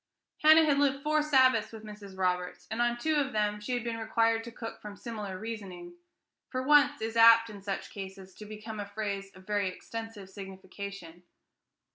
Hannah had lived four Sabbaths with Mrs. Roberts, and on two of them she had been required to cook from similar reasoning. "For once" is apt, in such cases, to become a phrase of very extensive signification.